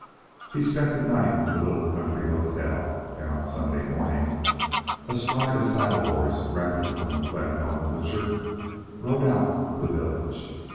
He spent the night in the little country hotel, and on Sunday morning, astride a saddle horse rented from the Glen Ellen butcher, rode out of the village.